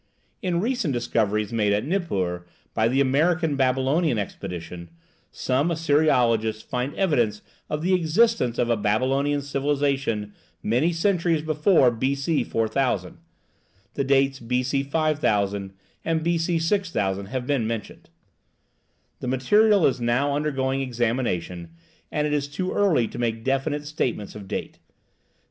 In recent discoveries made at Nippur, by the American Babylonian Expedition, some Assyriologists find evidence of the existence of a Babylonian civilization many centuries before B.C. 4000 (the dates B.C. 5000 and B.C. 6000 have been mentioned); the material is now undergoing examination, and it is too early to make definite statements of date.